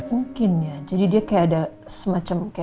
mungkin ya jadi dia kayak ada semacam kayak